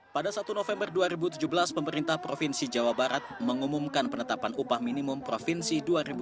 pada satu november dua ribu tujuh belas pemerintah provinsi jawa barat mengumumkan penetapan upah minimum provinsi dua ribu tujuh belas